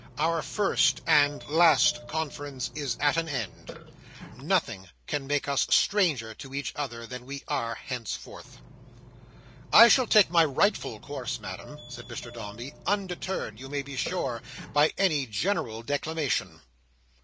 "Our first and last confidence is at an end. Nothing can make us stranger to each other than we are henceforth." "I shall take my rightful course, Madam," said Mr Dombey, "undeterred, you may be sure, by any general declamation."